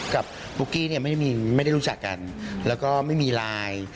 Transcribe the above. กับกุ๊กกี้ไม่ได้รู้จักกันแล้วก็ไม่มีไลน์